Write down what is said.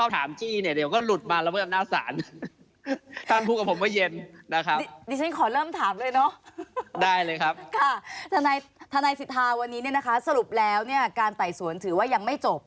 ธนายสิทธาวันนี้สรุปแล้วการไต่สวนถือว่ายังไม่จบ